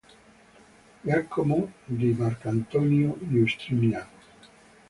Giacomo di Marcantonio Giustinian.